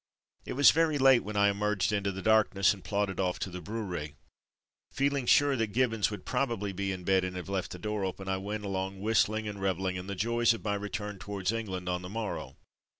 It was very late when I emerged into the darkness, and plodded oflF to the brewery. Feeling sure that Gibbons would probably be in bed and have left the door open, I went along whistling and revelling in the joys of my return towards England on the morrow.